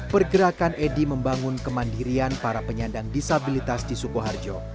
pergerakan edi membangun kemandirian para penyandang disabilitas di sukoharjo